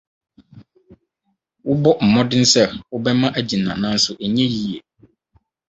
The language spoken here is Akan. Wobɔ mmɔden sɛ wobɛma agyina nanso ɛnyɛ yiye.